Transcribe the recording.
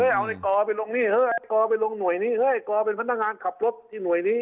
เอาในกอไปลงนี่เฮ้ยกอไปลงหน่วยนี้เฮ้ยกอเป็นพนักงานขับรถที่หน่วยนี้